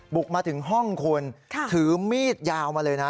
บุกมาถึงห้องคุณถือมีดยาวมาเลยนะ